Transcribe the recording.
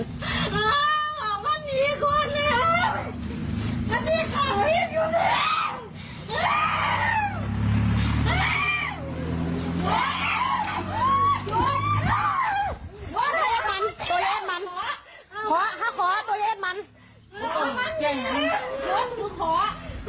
ตัวแยกมันตัวแยกมันขอขอขอขอตัวแยกมันอ๋อมันแยกนั้นตัวตัวขอ